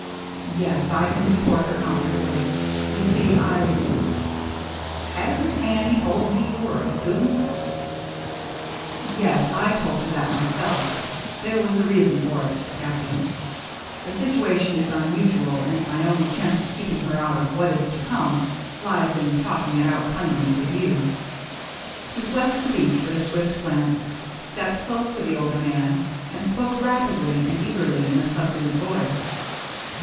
" Yes, I can support her comfortably. You see, I —"" Hasn't Annie told me you were a student ?" "Yes, I told her that, myself. There was a reason for it. Captain. The situation is unusual, and my only chance of keeping her out of what is to come lies in talking it out plainly with you." He swept the beach with a swift glance, stepped close to the older man, and spoke rapidly and eagerly in a subdued voice.